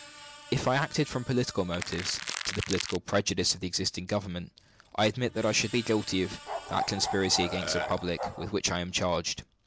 If I had acted from political motives to the political prejudice of the existing government, I admit that I should be guilty of that conspiracy against the Republic with which I am charged.